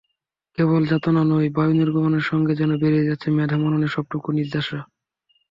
কেবল যাতনা নয়, বায়ু নির্গমনের সঙ্গে যেন বেরিয়ে যাচ্ছে মেধা-মননের সবটুকু নির্যাসও।